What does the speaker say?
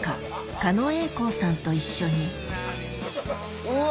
狩野英孝さんと一緒にうわ！